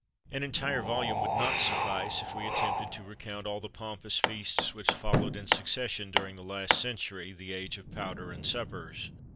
An entire volume would not suffice, if we attempted to recount all the pompous feasts which followed in succession during the last century, "the age of powder and suppers."